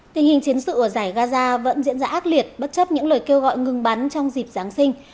tình hình chiến sự ở giải gaza vẫn diễn ra ác liệt bất chấp những lời kêu gọi ngừng bắn trong dịp giáng sinh